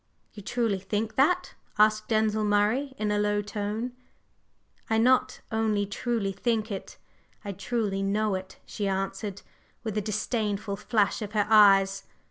"You truly think that?" asked Denzil Murray in a low tone. "I not only truly think it, I truly know it!" she answered, with a disdainful flash of her eyes.